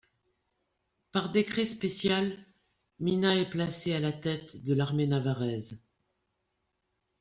Par décret spécial, Mina est placé à la tête de l'armée navarraise.